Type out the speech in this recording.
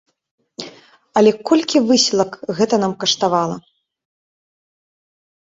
Але колькі высілак гэта нам каштавала!